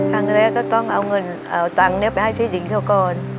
ครั้งแรกก็ต้องเอาเงินเอาตังค์เนี่ยไปให้ที่ดินเท่าก่อน